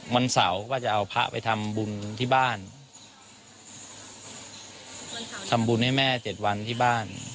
วันเสาร์ก็จะเอาพระไปทำบุญที่บ้านทำบุญให้แม่เจ็ดวันที่บ้าน